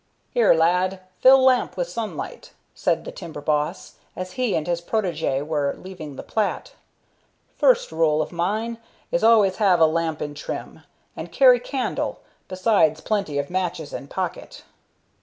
"Here, lad, fill lamp wi' sunlight," said the timber boss, as he and his protégé were leaving the plat. "First rule of mine is always have lamp in trim, and carry candle, besides plenty of matches in pocket."